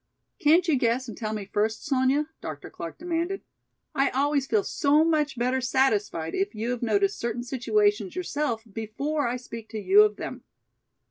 "Can't you guess and tell me first, Sonya?" Dr. Clark demanded. "I always feel so much better satisfied if you have noticed certain situations yourself before I speak to you of them.